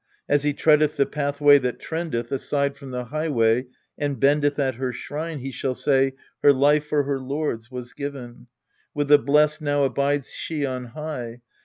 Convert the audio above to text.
As he treadeth the pathway that trendeth Aside from the highway, and bendeth At her shrine, he shall say :" Her life for her lord's was given ; With the blest now abides she on high.